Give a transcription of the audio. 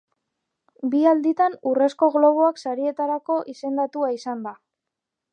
Bi alditan Urrezko Globoak sarietarako izendatua izan da.